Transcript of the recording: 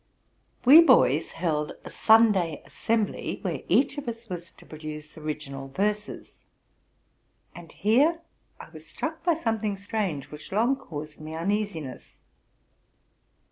We boys held a Sunday assembly where each of us was to produce original verses. And here I was struck by some thing strange, which long caused me uneasiness.